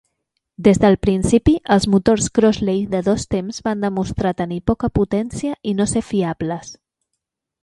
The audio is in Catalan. Des del principi, els motors Crossley de dos temps van demostrar tenir poca potència i no ser fiables.